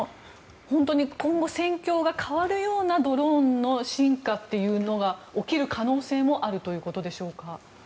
本当に今後、戦況が変わるようなドローンの進化というのが起きる可能性もあるということでしょうか。